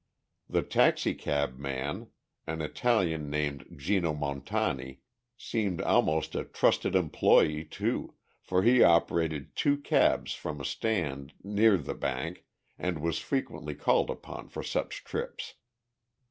The taxicab man, an Italian named Geno Montani, seemed almost a trusted employee, too, for he operated two cabs from a stand near the bank, and was frequently called upon for such trips.